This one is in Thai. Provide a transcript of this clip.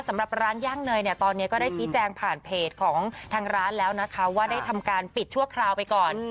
สำหรับร้านย่างเนยเนี่ยตอนนี้ก็ได้ชี้แจงผ่านเพจของทางร้านแล้วนะคะว่าได้ทำการปิดชั่วคราวไปก่อน